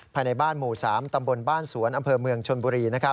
ภายในบ้านหมู่๓ตำบลบ้านสวนอำเภอเมืองชนบุรี